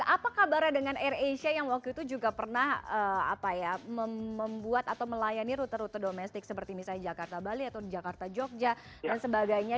apa kabarnya dengan air asia yang waktu itu juga pernah membuat atau melayani rute rute domestik seperti misalnya jakarta bali atau jakarta jogja dan sebagainya